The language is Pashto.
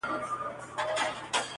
o پر ما خوښي لكه باران را اوري.